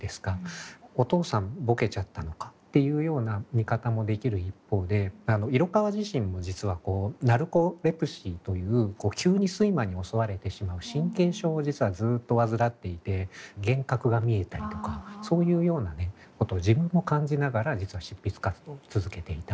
お父さんボケちゃったのかっていうような見方もできる一方で色川自身も実はナルコレプシーという急に睡魔に襲われてしまう神経症を実はずっと患っていて幻覚が見えたりとかそういうようなねことを自分も感じながら実は執筆活動を続けていた。